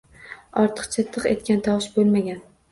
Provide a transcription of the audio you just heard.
Ortiqcha tiq etgan tovush bo‘lmagan.